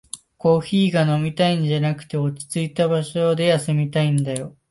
コーヒーが飲みたいんじゃなくて、落ちついた場所で休みたいんだよ